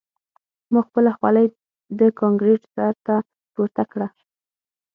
ما خپله خولۍ د کانکریټ سر ته پورته کړه